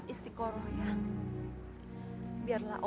kamu tempat yang baik